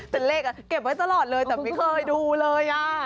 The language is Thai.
แต่เลขเก็บไว้ตลอดเลยแต่ไม่เคยดูเลย